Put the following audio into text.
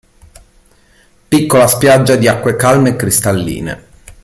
Piccola Spiaggia di acque calme e cristalline.